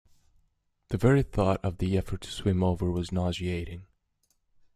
The very thought of the effort to swim over was nauseating.